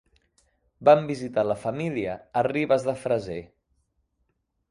Vam visitar la família a Ribes de Freser.